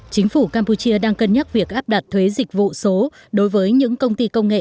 chính phủ campuchia đang cân nhắc việc áp đặt thuế dịch vụ số đối với những công ty công nghệ